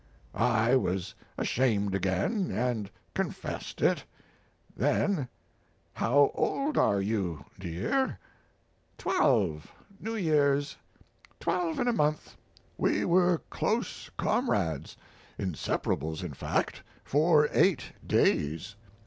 I was ashamed again, and confessed it; then: "How old are you, dear?" "Twelve; New Year's. Twelve and a month." We were close comrades inseparables, in fact for eight days.